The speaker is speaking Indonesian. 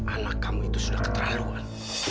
anak kamu itu sudah keterharuan